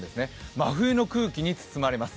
真冬の空気に包まれます。